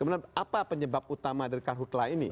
kemudian apa penyebab utama dari karhutlah ini